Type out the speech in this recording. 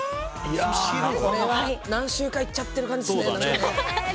これは何周かいっちゃってる感じですね。